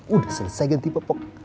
udah selesai ganti popok